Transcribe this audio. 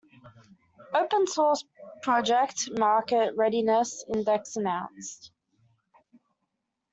Open source project market readiness index announced.